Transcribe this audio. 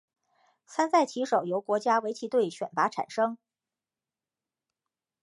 参赛棋手由国家围棋队选拔产生。